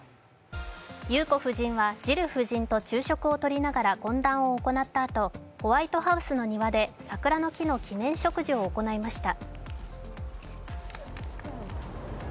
裕子夫人はジル夫人と昼食をとりながら懇談を行ったあとホワイトハウスの庭で桜の木の記念植樹を行いました。